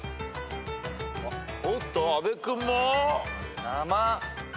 おっと阿部君も？